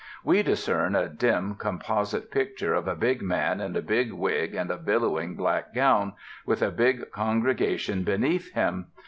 We discern a dim, composite picture of a big man in a big wig and a billowing black gown, with a big congregation beneath him.